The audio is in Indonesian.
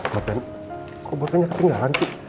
maafin kok bapaknya ketinggalan sih